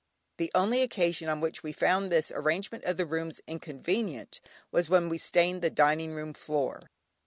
The only occasion on which we found this arrangement of the rooms inconvenient was when we stained the dining room floor.